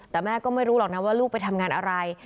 แต่แม่ก็ไม่รู้หรอกนะว่าลูกไปทำงานอะไร